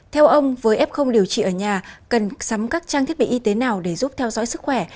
theo ông với f điều trị ở nhà cần sắm các trang thiết bị y tế nào để giúp theo dõi sức khỏe